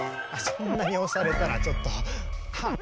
そんなにおされたらちょっと。